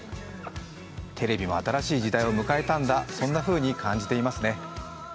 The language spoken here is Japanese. テレビも新しい時代を迎えたんだ、そんなふうに感じますね。